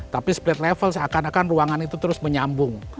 tapi split level seakan akan ruangan itu terus menyambung